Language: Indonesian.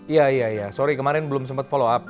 iya iya iya sorry kemarin belum sempet follow up